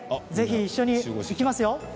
ぜひ一緒にいきますよ。